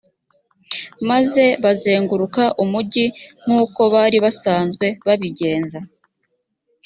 maze bazenguruka umugi nk’uko bari basanzwe babigenza.